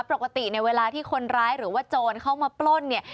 ปกติเนี่ยเวลาที่คนร้ายหรือว่าโจรเข้ามาปล้นเนี่ย